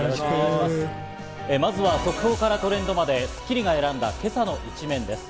まずは速報からトレンドまで『スッキリ』が選んだ今朝の一面です。